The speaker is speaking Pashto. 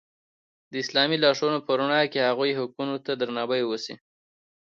د اسلامي لارښوونو په رڼا کې هغوی حقونو ته درناوی وشي.